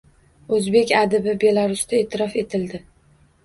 Oʻzbek adibi Belarusda eʼtirof etildi